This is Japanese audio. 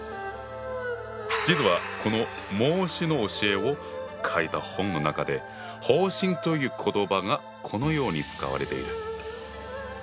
実はこの孟子の教えを書いた本の中で「放心」という言葉がこのように使われている。